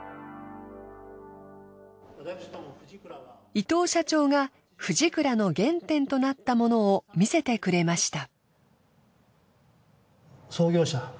伊藤社長がフジクラの原点となったものを見せてくれました。